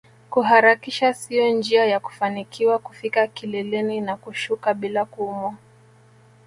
Kuharakisha sio njia ya kufanikiwa kufika kileleni na kushuka bila kuumwa